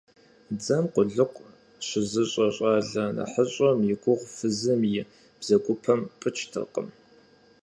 Дзэм къулыкъу щызыщӀэ щӀалэ нэхъыщӀэм и гугъур фызым и бзэгупэм пыкӀтэкъым.